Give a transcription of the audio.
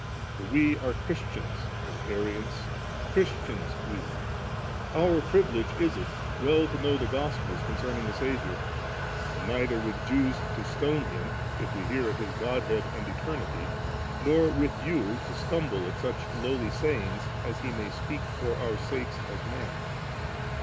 For we are Christians, O Arians, Christians we ; our privilege is it well to know the Gospels concerning the Saviour, and neither with Jews to stone Him, if we hear of His Godhead and Eternity, nor with you to stumble at such lowly sayings as He may speak for our sakes as man.